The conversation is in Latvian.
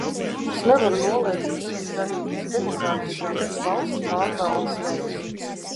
Es nevaru noliegt, ka tas ir arī visdemokrātiskākais valsts pārvaldes veids.